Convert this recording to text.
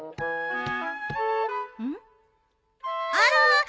あら！